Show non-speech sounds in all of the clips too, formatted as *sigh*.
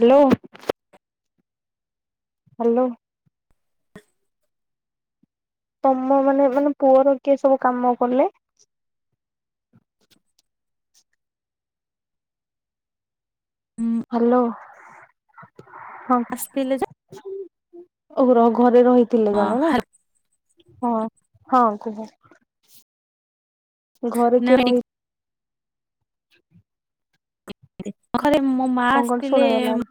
Hello. Hello. ତମ ମାନେ ମାନେ ପୁଅର କିଏ ସବୁ କାମ କଲେ! ଉଁ ହାଲୋ ହଁ ଆସିଥିଲେ ଯେ ଓ ର ଘରେ ରହିଥିଲେ ହଁ ଜଣେ ନାଁ! ହାଲୋ ହଁ ହଁ କୁହ ଘରେ କିଏ ରହି *unintelligible* ଖରେ ମୋ ମା କଣ କଣ ଶୁଣାଗଲା ଆସିଥିଲେମ୍!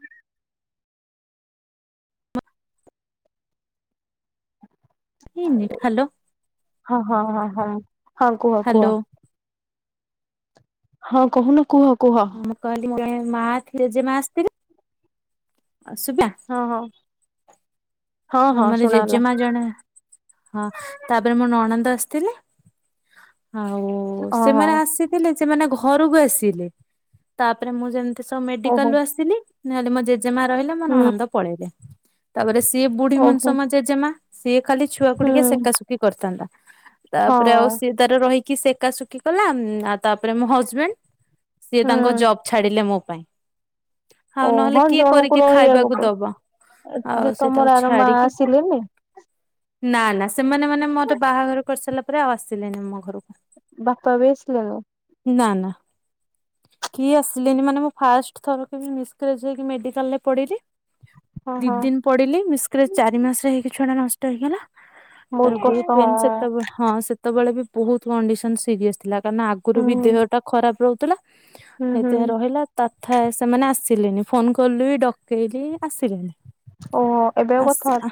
ଖାଇବୁ ହାଲୋ ହଁ ହଁ ହଁ ହଁ ହଁ କୁହ ହାଲୋ। କୁହ ହଁ କହୁନ କୁହ କୁହ। ମୁଁ କହିଲି ମୋର *unintelligible* ମା ଥିଲେ ଯେ ମା ଆସିଥିଲେ। ଆ ଶୁବିଲା। ହଁ ହଁ। ହଁ ମୋର ଜେଜେମା ଜଣେ ହଁ ତାପରେ ମ ନଣନ୍ଦ ଆସିଥିଲେ। ଆଉ ହଁ ହଁ ସେମାନେ ଆସିଥିଲେ ସେମାନେ ଘରକୁ ଆସିଲେ ତାପରେ ମୁଁ ଯେମ ସମ୍ ମେଡିକାଲ ଓହୋ ରୁ ଆସିଥିଲି ନହେଲେ ମୋ ଜେଜେମା ରହିଲେ ମୋ ହୁଁ ନଣନ୍ଦ ପଳେଇଲେ ତାପରେ ସିଏ ବୁଢ଼ୀ ଓହୋ ମଣିଷ ମ ଜେଜେମା ସିଏ ଖାଲି ଛୁଆକୁ ହୁଁ ଟିକେ ସେକାସୁକି କରିଥାନ୍ତା ହଁ ତାପରେ ଆଉ ସିଏ ତାର ରହିକି ସେକାସୁକି କଲା ଆଉ ତାପରେ ମୋ ହଜବେଣ୍ଡ ସିଏ ହୁଁ ତାଙ୍କ ଜବ୍ ଛାଡିଲେ ମୋ ପାଇଁ। ଓ ଆଉ ନହେଲେ ହଁ କିଏ ଜଣଙ୍କୁ କରିକି ରହିବାକୁ ଖାଇବାକୁ ପଡ ଦବ ଯେ ଆଉ ତମର ସେଟାକୁ ଆର ମା ଛାଡିକି। ଆସିଲେନି ନା ନା ସେମାନେ ମାନେ ମୋର ବାହାଘର କରିସାରିଲା ପରେ ଆଉ ଆସିଲେନି ମୋ ଘରକୁ। ବାପା ବି ଆସିଲେନି। ନା ନା। କିଏ ଆସିଲେନି ମାନେ ମୁଁ ଫାଷ୍ଟ ଥରକ ମିସ୍କ୍ରେଜ୍ ହେଇକି ମେଡ଼ିକାଲ ରେ ପଡ଼ିଲି। ହଁ ଦି ହଁ ଦିନ ପଡିଲି ମିସ୍କ୍ରରେ ଚାରି ମାସରେ ହେଇକି ଛୁଆଟା ନଷ୍ଟ ହେଇଗଲା। ତାର ବହୁତ କଷ୍ଟ ହଁ ପେନ୍ ସେତେଵ ହଁ ସେତେବେଳେ ବି ବହୁତ କଣ୍ଡିସନ ସିରିୟସ ଥିଲା କାହିନା ଆଗରୁ ବି ହୁଁ ଦେହ ଟା ଖରାପ ରହୁଥିଲା। ହୁଁ ହେଇଥିରେ ହୁଁ ରହିଲା। ତଥା ସେମାନେ ଆସିଲେନି ଫୋନ କଲୁ ବି ଡକେଇଲି ଆସିଲେନି। ଓ। ଆସ୍ ଆ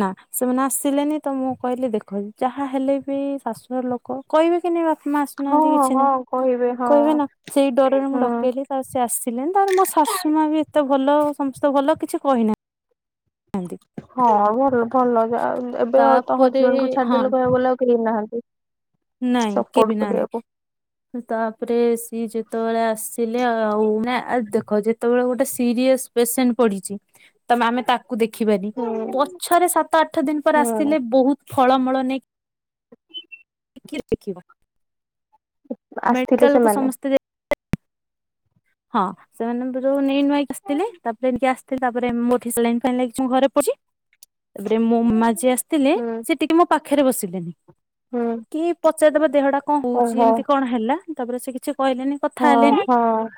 ନା ସେମାନେ ଆସିଲେନି ତ ମୁଁ କହିଲି ଦେଖ ଯାହା ହେଲେ ବି ଶାଶୁଘର ଲୋ କ କହିବେ କି ନା ବାପ ମା ଆସୁ ହଁ ହଁ କହି କହିବେ ନା ସେଇ ଡରରେ ମୁଁ ଡକେଇଲି ତା ସେ ଆସିଲେନି ତାପରେ ମୋ ଶାଶୁ ମା ବି ଏ ତ ଭଲ ସମସ୍ତକୁ ଭଲ କିଛି କହିନା। ହଁ ଭଲ ଭଲ ଯା ଏବେ ତେ ତାପରେ ହଜବେଣ୍ଡ କୁ ହଁ ଛାଡିଦେଲେ କହିବାକୁ ଗଲେ ଆଉ କେହି ନାହାନ୍ତି। ନାଇଁ କେ ସପୋର୍ଟ ବି ନାହାନ୍ତି। କରିବାକୁ ତାପରେ ସିଏ ଯେତେବେଳେ ଆସିଲେ ଆଉ ନା ଦେଖ ଯେତେବେଳେ ଗୋଟେ ସିରିଏସ୍ ପେସେଣ୍ଟ ପଡିଚି ତ ଆମେ ତାକୁ ଦେଖିବାନି ହୁଁ। ପଛରେ ସାତ ଆଠ ଦିନ ପରେ ହୁଁ ଆସିଲେ ବହୁତ ଫଳମୂଳ ନେଇ କିଏ ଦେଖୀବ ଆସିଥିଲେ ମେଡିକାଲକୁୁ ସେମାନେ ସମସ୍ତେ ଯା ହଁ। ସେମାନେ ମତେ ଯୋଉ ନେଇ ନୁଆକି ଆସିଥିଲେ ତାପରେ ଏଠିକି ଆସିଥିଲେ ତାପରେ *unintelligible* ଲାଗିଚି ମୁଁ ଘରେ ପଡଚି ତାପରେ ମୋ ମାମା ଯିଏ ଆସିଥିଲେ ହୁଁ ସେ ଟିକେ ମୋ ପାଖରେ ବସିଲେନି। ହୁଁ କିହି ପଚାରି ଦେବ ଦେହଟା କଣ ହଉଛି ଓହୋ ଏମିତି କଣ ହେଲା ତାପରେ ସେ କିଛି କହିଲେନି। କଥା ହଁ ହେଲେନି ହଁ।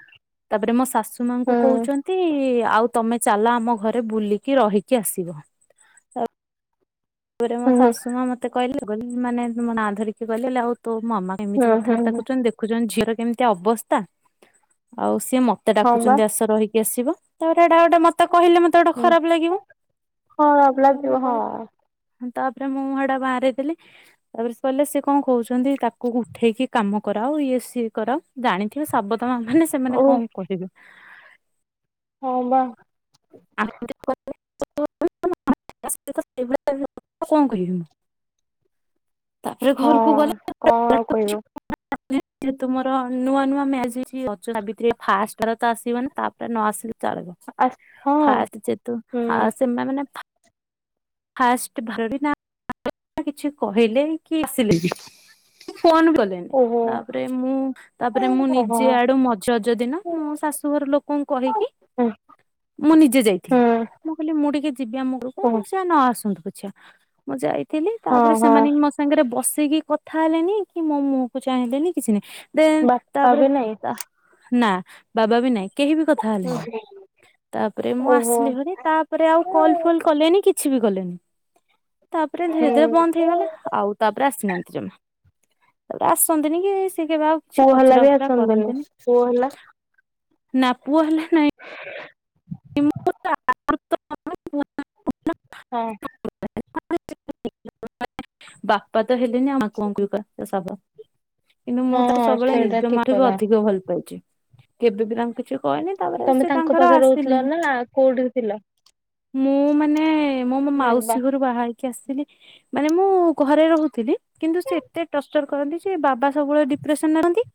ତାପରେ ମୋ ଶାଶୁ ହୁଁ ମାଙ୍କୁ କହୁଛନ୍ ତି ଆଉ ତମେ ଚାଲ ଆମ ଘରେ ବୁଲିକି ରହିକି ଆସିବ। ତାପରେ ମୋ ହୁଁ ଶାଶୁ ମା ମତେ କହିଲେ *unintelligible* ମାନେ ମୋ ନାଁ ଧରିକି କହିଲେ ଆଉ ତୋ ମାମା ଏମିତି ହୁଁ ହୁଁ କଥାବାର୍ତ୍ତା ହୁଁ କରୁଛନ୍ତି ଦେଖୁଛନ୍ତି ଝିଅର କେମିତି ଅବସ୍ଥା ଆଉ ସିଏ ମ ମତେ ହଁ ବା ଡାକୁଛନ୍ତି ଆସ ରହିକି ଆସିବା ତା ପରେ ଏଟା ଗୋଟେ ମତେ କହିଲେ ମତେ ତ ଗୋଟ ହୁଁ। ହଁ ଖରାପ ଲାଗିବ। ଖରାପ ଲାଗିବ ହଁ ତାପରେ ମୁଁ ହେଟା ବାହାରେଇ ଦେଲି ତାପରେ ସେ କହିଲେ ସିଏକଣ କହୁଛନ୍ତି ତାକୁ ଉଠେଇକି କାମ କରାଅ ଇଏ ସିଏ କରାଅ ଜାଣିଥିବେ ସାବତମା ମାନେ ସେମାନେ ଓ କଣ କହିବେ। ହଁ ବା। *inaudible* କଣ କହିବି? ହଁ ଘରକୁ ଗଲେ କଣ ଆଉ କହିବ। ଯେହେତୁ ତୁମର ନୂଆ ନୂଆ ମ୍ୟାରେଜ୍ ହେଇଚି ସଜ ସାବିତ୍ରୀ ଫାଷ୍ଟ ଭାର ତ ଆସିବ ନି ତାପରେ ନ ଆସିଲେ ଚଳିବ ଆ ହଁ ଫାଷ୍ଟ ଯେତୁ ହୁଁ ଆ ସେମା ମାନେ ଫା ଫାଷ୍ଟ *unintelligible* କିଛି କହିଲେ କି ଆସିଲେ ବି ଫୋନ କଲେ ନି ଓହୋ ତାପରେ ମୁଁ ତାପରେ ମୁଁ ଓହୋ ନିଜେ ଆଡୁ ମ ରଜ ଦିନ ମୋ ଶାଶୁଘର ଲୋକଙ୍କୁ କହିକି ହୁଁ ମୁଁ ନିଜେ ଯାଇଥିଲି। ହୁଁ ମୁଁ କହିଲି ମୁଁ ଟିକେ ଯିବି ଆମ ଘରକୁ ଓ ସେ ନ ଆସନ୍ତୁ ପଛେ ମୁଁ ଯାଇ ଥିଲି ହଁ ତାପରେ ହଁ ସେମାନେ ମୋ ସାଙ୍ଗରେ ବସିକି କଥା ହେଲେ ନି କଥା ମୋ ମୁହଁ କୁ ଚାହିଁଲେନି କିଛି ନାହିଁ। ଦେ ତା ବାପା ପରେ ବି ନାଇଁ ତା ନା ବାବା ବି ନାଇଁ। କେହି ବି କଥା ହେଲେନି ତାପରେ ମୁଁ ଓହୋ। ଆସିଲି ହରି ତାପରେ ଆଉ କଲ୍ ଫଲ୍ କଲେନି କିଛି ବି କଲେନି ତାପରେ ଧୀରେ ହୁଁ ଧୀରେ ବନ୍ଦ ହେଇଗଲା ଆଉ ତାପରେ ଆସିନାହାନ୍ତି ଜମା ତାପରେ ଆସନ୍ତିନି କି ସେ କେବେଆଉ ପୁଅ ହେଲା ବି ଫୋନ୍ କଲେନି ପୁଅ ହେଲା ନା ପୁଅ ହେଲା ନାଇଁ। ହ *inaudible* ହଁ। *inaudible* ବାପା ତ ହେଲେନି ଆଉ ମା *inaudible* କିନ୍ତୁ ମୁଁ ତାକୁ ହଁ ସବୁବେଳେ ସେଇଟା ନିଜ ଠିକ ମା ଠୁ ବି କଥା ଅଧିକ ଭଲ ପାଇଛି। କେବେ ବି ତାଙ୍କୁ କିଛି କହିନି ତାପରେ ତମେ ସେ ତାଙ୍କ ତାଙ୍କର ପାଖରେ ରହୁଥିଲ ଆସିଲେନି। ନା ନା କୋଉଠି ଥିଲ? ମୁଁ ମାନେ ମଁ ମୋ ମାନେ ବା ମାଉସୀ ଘରୁ ବାହାହେଇକି ଆସିଥିଲି। ମାନେ ମୁଁ ଘରେ ରହୁଥିଲି, କିନ୍ତୁ ସେ ଏତେ ଟର୍ଚର କରନ୍ତି ସେ ବାବା ସବୁବେଳେ ଡିପ୍ରେସନ୍ ରେ ରହନ୍ତି।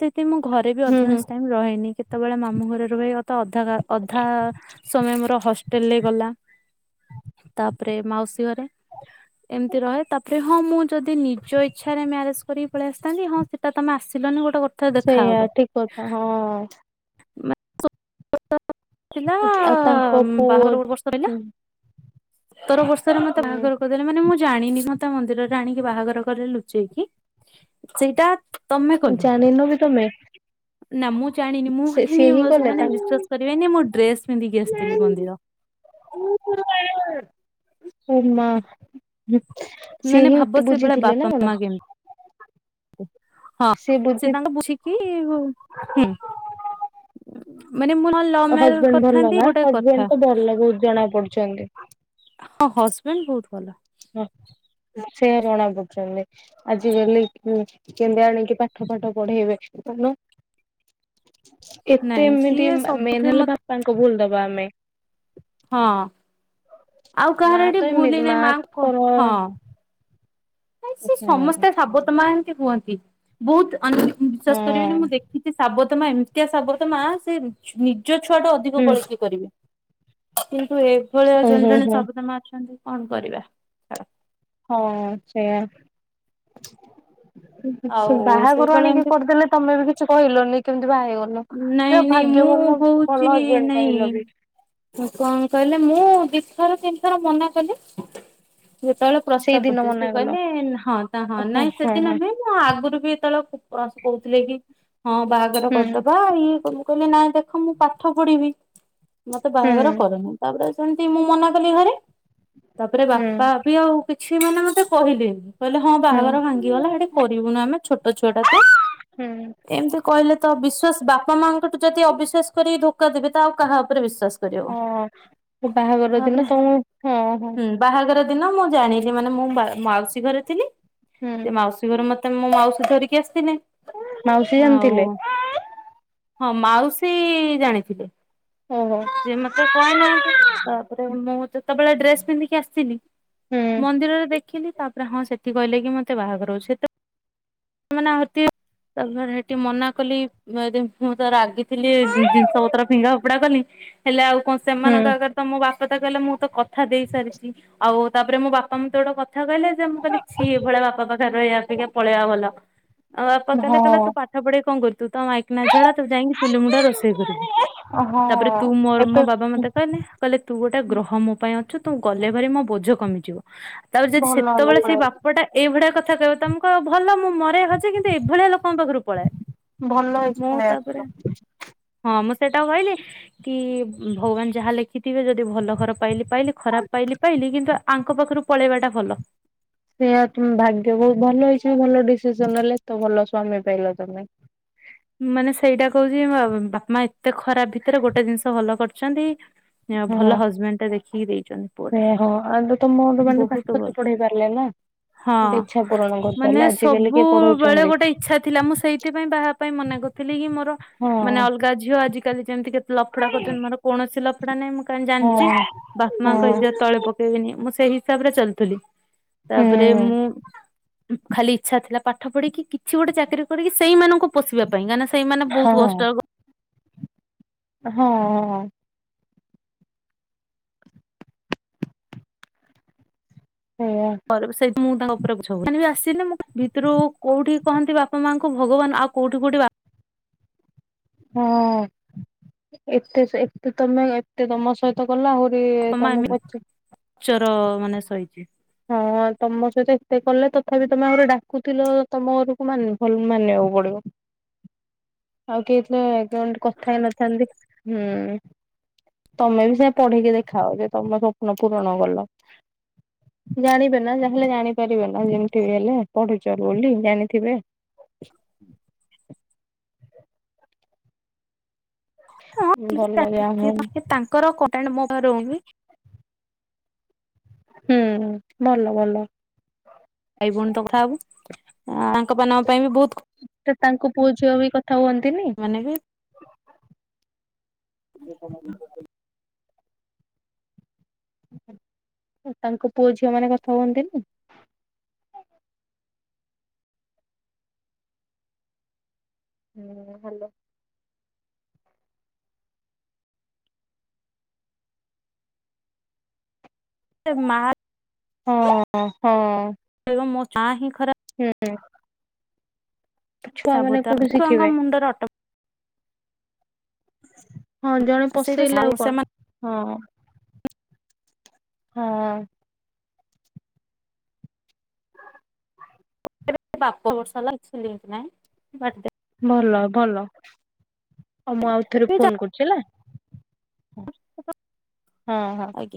ସେତେବି ମୁଁ ଘରେ ବି ହୁଁ ହୁଁ। ଅଧିକଂଶ ଟାଇମ ରହେନି କେତେବେଳେ ମାମୁଁ ଘରେ ରୁହେ ତ ଅଧା ଅଧା ସମୟ ମୋର ହଷ୍ଟେଲେ ଗଲା। ତାପରେ ମାଉସୀ ଘରେ। ଏମିତି ରହେ ତାପରେ ହଁ ମୁଁ ଯଦି ନିଜ ଇଚ୍ଛାରେ ମ୍ୟାରେଜ କରିକି ପଳେଇ ଆସିଥାନ୍ତି ହଁ ସେଟା ତମେ ଆସିଲନି ଗୋଟେ ସେଇଆ ଦେଖାହବ। ଠିକ୍ କଥା ହଁ। *inaudible* ଥିଲା ଆଉ ତାଙ୍କ ପୁଅ ବାହାରେ ଗୋଟ ବର୍ଷ ରଇଲା। ହୁଁ ସତର ବର୍ଷରେ ମତେ ହୁଁ ବାହାଘର କରି ମାନେ ମୁଁ ଜାଣିନି ମତେ ମନ୍ଦିରରେ ଆଣିକି ବାହାଘର କରେଇଲେ ଲୁଚେଇକି ସେଇଟା ତମେ କଲ ଜାଣିନ ବି ତମେ ନା ମୁଁ ଜାଣିନି ମୁଁ ସେ ସିଏ ମନିନି ହିଁ କଲେ ମାନେ ତାଙ୍କ ବିଶ୍ୱାସ କରିବେନି ମୁଁ ଡ୍ରେସ ପିନ୍ଧିକି ଆସିଥିଲି ମନ୍ଦିର। *unintelligible* ଏ ମା। ସିଏ ମାନେ ହିଁ ଭାବ ଏତେ ସେ ଭଳିଆ ବୁଝିଥିଲେ ବାପା ନା କଣ? ମା କେମିତି ହଁ ସେ ତାଙ୍କ ବୁଝି କି ହୁଁ ମାନେ ମୁ ହଜବେଣ୍ଡ ଭଲ ନା ହଜବେଣ୍ଡ ତ ଭଲ ବହୁତ ଜଣା ପଡୁଛନ୍ତି। ହଁ ହଜବେଣ୍ଡ ବହୁତ ଭଲ। ହଁ ସେୟା ଜଣାପଡୁଛନ୍ତି। ଆଜି କାଲି କେନ୍ଦେ ଆଣିକି ପାଠ ପାଠ ପଢେଇବେ କହୁନ? ଏତେ ନାଇଁ ଏମିତି ସିଏ ମେନ ସବୁଥିରେ ହେଲେ ମତେ ବାପାଙ୍କୁ ଭୁଲ ଦବା ଆମେ। ହଁ ଆଉ ମା କାହାର ଏଠି ତ ଭୁଲହି ଏମିତି ମା ନାଇଁ ମାଙ୍କ ପର ହଁ। ସେ ହଁ ସମସ୍ତେ ସାବତ ମା ଏନ୍ତି ହୁଅନ୍ତି। ବହୁତ ହଁ ବିଶ୍ବାସ କରିବେନି ମୁଁ ଦେଖିଛି ସାବତମା ଏମିତିଆ ସାବତମା ସେ ନିଜ ଛୁଆଟା ଅଧିକ ହୁଁ ବଳିକି କରିବେ କିନ୍ତୁ ଏ ଏ ଭଳିଆ ହୁଁ ଜଣେ ଜଣେ ହୁଁ ସାବତ ମା ଅଛନ୍ତି କଣ କରିବା? ଛାଡ। ହଁ ସେୟା। ସେ ଆଉ ବାହାଘର ସେଇଭଳିଆ ଆଣିକି ଏମିତି କରିଦେଲେ ତମେ ବି କିଛି କହିଲନି କେମିତି ବାହା ହେଇଗ ଭଲ ନାଇଁ ଯାହା ହଉ ନାଇଁ ଭାଗ୍ୟ ମୁଁ ଭଲ ହଉଛି ଭଲ ହଜବେଣ୍ଡ ନାଇଁ ପାଇଲ ବି। କଣ କହିଲେ ମୁଁ ଦିଥର ତିନିଥର ମନା କଲି ଯେତେବେଳେ ସେଇ ପ୍ରସ୍ତାବ ଦିନ ପଡିଥିଲା ମନା ସେ କଲ କହିଲେ ହଁ ହଁ ନାଇଁ ହଁ ସେଦିନ ହଁ ନୁହେଁ। ଆଗରୁ ବି ଏତେବେଳେ କହୁଥିଲେ କି ହଁ ବାହାଘର କରିଦବ ଇଏ କହିଲି ନାଇଁ ଦେଖ ମୁଁ ପାଠ ପଢିବି ମତେ ହୁଁ ବାହାଘର କରେନି ତାପରେ ସେମତି ମୁଁ ମନା କଲି ଘରେ ତାପରେ ହୁଁ ବାପା ବି ଆଉ କିଛି ମାନେ ମତେ କହିଲେନି। କହିଲେ ହଁ ହୁଁ ବାହାଘର ହୁଁ ଭାଙ୍ଗିଗଲା ସେଠି କରିବୁନ ଆମେ ଛୋଟ ଛୁଆଟା ତ ହୁଁ ଏମିତି କହିଲେ ତ ବିଶ୍ୱାସ ବାପା ମାଆଙ୍କଠୁ ଯଦି ଅବିଶ୍ୱାସ କରିକି ଧୋକା ଦେବେ ତ ଆଉ କାହା ଉପରେ ବିଶ୍ୱାସ? ହଁ ବାହାଘର ଦିନ ତୁ ହଁ ହଁ। ହୁଁ ବାହାଘର ଦିନ ମୁଁ ଜାଣିଲି ମାନେ ମୁଁ ମାଉସୀ ଘରେ ଥିଲି ହୁଁ ସେ ମାଉସୀ ମତେ ମୋ ମାଉସି ଧରିକି ଆସିଥିଲେ। ମାଉସୀ ଜାଣି ଆଉ ଥିଲେ। ହଁ ମାଉସୀ ଜାଣିଥିଲେ। ହୁଁ ହୁଁ। ଯେ ମତେ କହିନାହାନ୍ତି ତାପରେ ମୁଁ ଯେତେବେଳେ ଡ୍ରେସ ପିନ୍ଧିକି ଆସିଲି। ହୁଁ ମନ୍ଦିରରେ ଦେଖିଲି ତାପରେ ହଁ ସେଠି କହିଲେ କି ମତେ ବାହାଘର ହଉଛି ସେତ ସେମାନେ ତି ତାପରେ ସେଠି ମନା କଲି ମୁଁ ଏଦି ମୁଁ ତ ରାଗିଥିଲି ଜିନିଷ ପତ୍ର ଫିଙ୍ଗା ଫୋପଡା କଲି ହେଲେ ଆଉ କଣ ହୁଁ ସେମାନଙ୍କ ଆଗରେ ତ ମୋ ବାପା ତ କହିଲେ ମୁଁ ତ କଥା ଦେଇ ସାରିଛି। ଆଉ ତାପରେ ମୋ ବାପା ମତେ ଗୋଟେ କଥା କହିଲା ଯେ ମୁଁ କହିଁଲି ଛିି ଏଇଭଳିଆ ବାପା ପାଖରେ ରହିବାଅପେକ୍ଷା ପଳେଇବା ଭଲ। ଆଉ ବାପା କହିଲା କହିଲା ତୁ ହଁ। ପାଠ ପଢିକି କଣ କରିବୁ ତୁ ତ ମାଇକିନା ଝିଅଟା ତୁ ଯାଇକି ଚୁଲି ମୁଣ୍ଡରେ ରୋଷେଇ କରିବୁ ହଁ ତାପରେ ତୁ ମୋର ଏବେ ମୋ ବାବା ମତେ କହିଲା କହିଲେ ତୁ ଗୋଟେ ଗ୍ରହ ମୋ ପାଇଁ ଅଛୁ ତୁ ଗଲେ ଭାରି ମୋ ବୋଝ କମିଯିବ। ତାପରେ ଯଦି ଭଲ ହେଲା ସେତେବେଳେ ସେଇ ପଳେଇ ଆସି ବାପଟା ଏଇଭଳିଆ କଥା କହିବ ତମ କହ ଭଲ ମୁଁ ମ ହଛି କିନ୍ତୁ ଏଭଳିଆ ଲୋକଙ୍କ ପାଖରୁ ପଳାଏ। ଭଲ ହେଇଛି ମୁଁ ପଳେଇ ତାପରେ ଆସିଛୁ। ହଁ ମୁଁ ସେଇଟାକୁ କହିଲି କି ଭଗବାନ ଯାହା ଲେଖିଥିବେ ଯଦି ଭଲ ଘର ପାଇଲି ପାଇଲି ଖରାପ ପାଇଲି ପାଇଲି କିନ୍ତୁ ଆଙ୍କ ପାଖରୁ ପଳେଇବାଟା ଭଲ। ସେଇଆ ତମ ଭାଗ୍ୟ ବହୁତ ଭଲ ଅଛି ଭଲ ଡିସିସନ ନେଲ ତ ଭଲ ସ୍ୱାମୀ ପାଇଲ ତମେ? ମାନେ ସେଇଟା କହୁଛି ବାପା ଏତେ ଖରାପ ଭିତରେ ଗୋଟେ ଜିନିଷ ଭଲ କରିଛନ୍ତି। ହଁ ଭଲ ହଜବେଣ୍ଡ ଟା ଦେଖିକି ଦେଇଛନ୍ତି ପୁଅଟା ସେଇଆ ହଁ ଆଉ ତମର ମାନେ ବହୁତ ପାଠ ତ ଭଲ। ପଢେଇ ପାରିଲେ ନା। ହଁ ଗୋଟେ ଇଚ୍ଛା ପୂରଣ ମାନେ କରିପାରିଲେ ଆଜିକାଲି କିଏ ସବୁବେଳେ ପଢଉଛନ୍ତି ଗୋଟେ ଇଛା ଥିଲା ମୁଁ ସେଇଥିପାଇଁ ବାହା ପାଇଁ ମନା କରିଥିଲ କି ମୋର, ମାନେ ହଁ। ଅଲଗା ଝିଅ ଆଜିିକାଲି ଯେମିତି କେତେ ଲଫଡା କରିଛନ୍ତି, ମୋର କୌଣସି ଲଫଡା ନାଇଁ ମୁଁ କାହିଁ ହଁ ଜାଣିଛି। ହଁ ବାପାମାଙ୍କ ଇଯତ୍ ତଳେ ପ *unintelligible* ମୁଁ ସେଇ ହିସାବରେ ଚାଲଥିଲି। ହୁଁ ତାପରେ ମୁଁ ଖାଲି ଇଚ୍ଛା ଥିଲା ପାଠ ପଢ଼ିକି କିଛି ଗୋଟେ ଚାକିରି କରିକି ସେଇମାନଙ୍କୁ ପୋଷିବାକୁ *unintelligible* ସେମାନେ ବହୁ ହଁ। କଷ୍ଟ ହଁ। *unintelligible* *unintelligible* ଭିତରୁ କୋଉଠି କହନ୍ତି ବାପା ମାଙ୍କୁ ଭଗବାନ, ଆଉ କୋଉଠି କୋଉଠି ବା ହଁ ଏତେ ଏତେ ତମେ ଏତେ ତମ ସହି କଲା ଆହୁରି ତମେ ପଚ ଉଚର ମାନେ ସହିକି। ହଁ ତମ ସହିତ ଏତେ କଲେ ତଥାପି ତମେ ଆଉରି ଡାକୁଥିଲ ତମ ଘରକୁ *unintelligible* ମାନିବାକୁ ପଡିବ। ଆଉ କେହି *unintelligible* କଥା ହେଇ ନଥାନ୍ତି। ହୁଁ ତମେ ବି ସେୟା ପଢିକି ଦେଖାଅ ଯେ ତମ ସ୍ୱପ୍ନ ପୂରଣ କଲ। ଜାଣିବେ ନା ଯାହା ହେଲେ ଜାଣିପାରିବେ ନା ଯେମିତି ବି ହେଲେ ପଢୁଛ ବୋଲି, ଜାଣିଥିବେ। ଭଲ ଯାହା ହଉ *unintelligible* ରହୁନି। ହୁଁ, ଭଲ ଭଲ। ଭାଇ ଭଉଣୀ ତ କଥା ହବୁ *unintelligible* ତାଙ୍କ ମାନଙ୍କ ପାଇଁ ବି ବହୁତ *unintelligible* ତାଙ୍କୁ ପୁଅ ଝିଅ ବି କଥା ହୁଅନ୍ତିନି? ମାନେ ବି *unintelligible* ତାଙ୍କ ପୁଅ ଝିଅ ମାନେ କଥା ହୁଅନ୍ତିନି? ହୁଁ, ହ୍ୟାଲୋ? *unintelligible* ହଁ *unintelligible* ହଁ। *unintelligible* ହିଁ ଖରାପ। ହୁଁ। ଛୁଆ ମାନେ ସାବତା କୋଉଠୁ ଛୁଆଙ୍କ ଶିଖିବେ। ମୁଣ୍ଡରେ ଅଟୋ ହଁ ଜଣେ ସେଇଠୁ ପସେଇଲେ ଆଉ କଣ? ସେମାନେ ହଁ, ହଁ। *unintelligible* ଭଲ ଭଲ। ଆଉ ମୁଁ ଆଉଥରେ ଫୋନ କରୁଛି ହେଲା। ହଁ ହଁ। ଆଜ୍ଞା